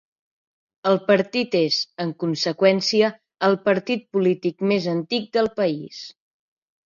El partit és, en conseqüència, el partit polític més antic del país.